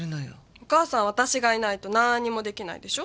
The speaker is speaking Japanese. お母さん私がいないとなーんにも出来ないでしょ。